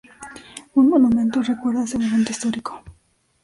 Un monumento recuerda ese momento histórico.